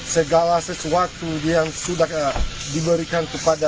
segala sesuatu yang sudah diberikan kepada